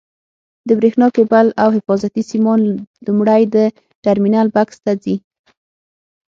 د برېښنا کېبل او حفاظتي سیمان لومړی د ټرمینل بکس ته ځي.